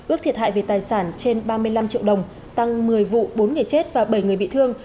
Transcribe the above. ước thiệt hại về tài sản trên ba mươi năm triệu đồng tăng một mươi vụ bốn người chết và bảy người bị thương